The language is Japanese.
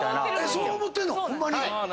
そう思ってんの⁉ホンマに？